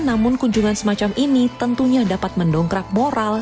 namun kunjungan semacam ini tentunya dapat mendongkrak moral